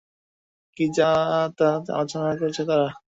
কী যা-তা আলোচনা করছে তারা?